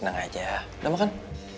tenang aja udah makan